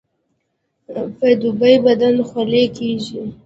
په دوبي بدن خولې کیږي